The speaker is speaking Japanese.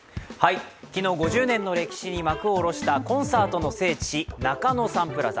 昨日、５０年の歴史に幕を下ろしたコンサートの聖地、中野サンプラザ。